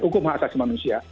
hukum hak saksi manusia